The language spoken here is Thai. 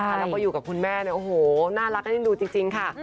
แล้วก็อยู่กับคุณแม่เนี่ยโอ้โหน่ารักน่าเอ็นดูจริงค่ะ